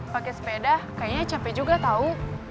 pakai sepeda kayaknya capek juga tahu